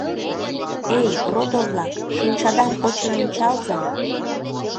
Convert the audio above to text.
Эй, родо-влак, шинчадам почын ончалза!